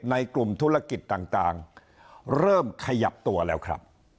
ในกลุ่มธุรกิจต่างเริ่มขยับตัวแล้วครับ